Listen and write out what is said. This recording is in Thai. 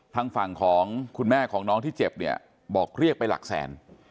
ทางฝั่งของคุณแม่ของน้องที่เจ็บเนี่ยบอกเรียกไปหลักแสน